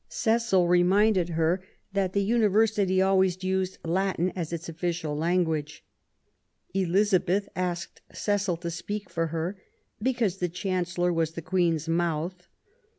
Cecil reminded her that the University always used Latin as its official language. Elizabeth asked Cecil to speak for her, " because the Chancellor was the Queen's mouth